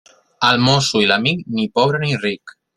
El mosso i l'amic, ni pobre ni ric.